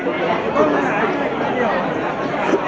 สวัสดีครับสวัสดีครับ